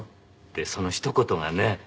そのひと言がね